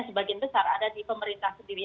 sebagian besar ada di pemerintah sendiri